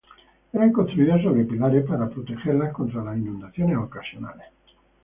Eran construidas sobre pilares para protegerlas contra las inundaciones ocasionales.